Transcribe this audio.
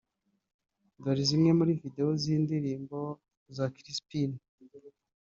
Dore zimwe muri Video z’indirimbo za Chrispin